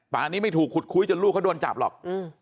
อันนี้ไม่ถูกขุดคุยจนลูกเขาโดนจับหรอก